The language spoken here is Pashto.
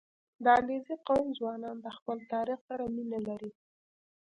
• د علیزي قوم ځوانان د خپل تاریخ سره مینه لري.